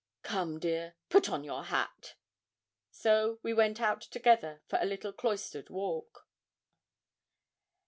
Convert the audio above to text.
Come, dear, put on your hat.' So we went out together for a little cloistered walk.